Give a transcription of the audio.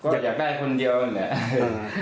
ก็อยากได้คนเดียวหน่อย